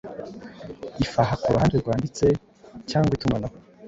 ifaha kuruhande rwandite cyangwa itumanaho